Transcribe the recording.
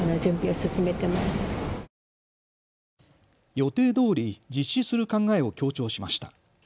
予定どおり実施する考えを強調しました。